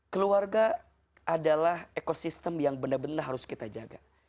keluarga adalah ekosistem yang benar benar harus kita jaga